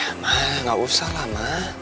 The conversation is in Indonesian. ya ma gak usah lah ma